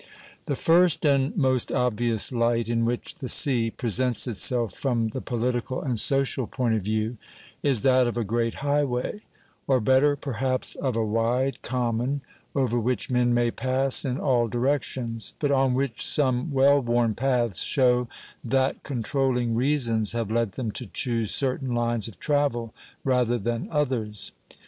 The first and most obvious light in which the sea presents itself from the political and social point of view is that of a great highway; or better, perhaps, of a wide common, over which men may pass in all directions, but on which some well worn paths show that controlling reasons have led them to choose certain lines of travel rather than others.